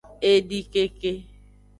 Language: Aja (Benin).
Edikeke.